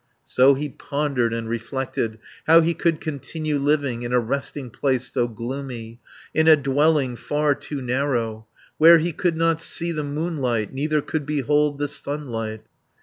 So he pondered and reflected How he could continue living In a resting place so gloomy, In a dwelling far too narrow, Where he could not see the moonlight, Neither could behold the sunlight.